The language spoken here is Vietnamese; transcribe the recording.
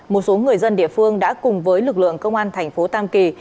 một số người dân địa phương đã cùng với lực lượng công an tp tam kỳ